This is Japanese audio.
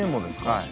はい。